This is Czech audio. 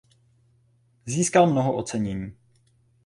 Získal mnoho ocenění.